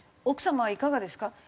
奥様はいかがですか？